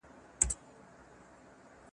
پر بل انسان تېری مه کوئ.